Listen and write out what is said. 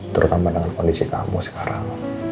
terutama dengan kondisi kamu sekarang